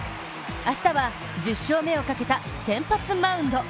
明日は１０勝目をかけた先発マウンド。